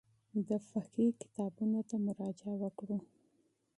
د فقهي کتابونو ته مراجعه وکړو.